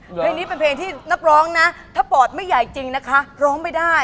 เพลงนี้เป็นเพลงที่นักร้องนะถ้าปอดไม่ใหญ่จริงนะคะร้องไม่ได้